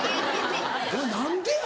何でや！